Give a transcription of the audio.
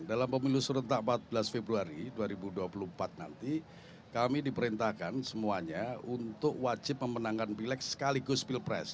dalam pemilu serentak empat belas februari dua ribu dua puluh empat nanti kami diperintahkan semuanya untuk wajib memenangkan pilek sekaligus pilpres